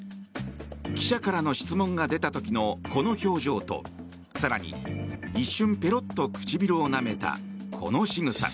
記者からの質問が出た時のこの表情と更に、一瞬ペロッと唇をなめたこのしぐさ。